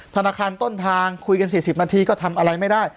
ธนาคารต้นทางคุยกัน๔๐นาทีก็ทำอะไรไม่ได้